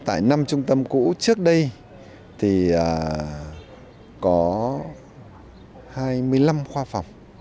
tại năm trung tâm cũ trước đây thì có hai mươi năm khoa phòng